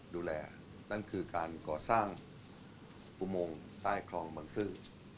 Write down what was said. ดูแลนั่นคือการก่อสร้างโมงใต้คลองบางซื่อ